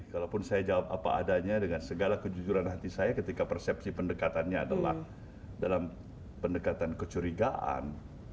kalaupun saya jawab apa adanya dengan segala kejujuran hati saya ketika persepsi pendekatannya adalah dalam pendekatan kecurigaan